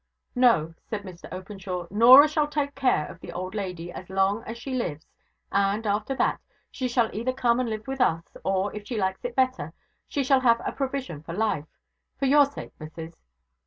'No,' said Mr Openshaw. 'Norah shall take care of the old lady as long as she lives; and, after that, she shall either come and live with us, or, if she likes it better, she shall have a provision for life for your sake, missus.